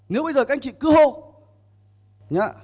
nếu bây giờ các anh chị cứ hô nhớ